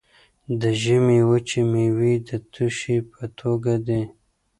د ژمي وچې میوې د توشې په توګه دي.